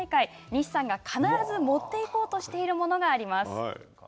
西さんが必ず持っていこうとしているものがあります。